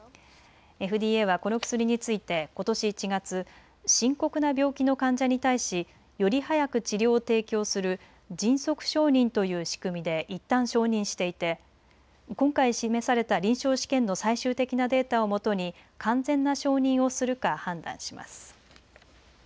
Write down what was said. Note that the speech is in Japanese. ＦＤＡはこの薬についてことし１月、深刻な病気の患者に対しより早く治療を提供する迅速承認という仕組みでいったん承認していて今回示された臨床試験の最終的なデータをもとに完全な承認をするか判断します。